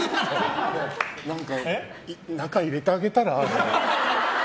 何か中入れてあげたら？